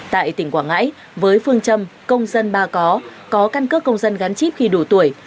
tại tỉnh quảng ngãi với phương châm công dân ba có có căn cước công dân gắn chip khi đủ tuổi